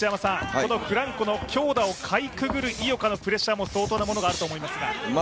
フランコの強打をかいくぐる井岡のプレッシャーも相当なものがあると思いますが？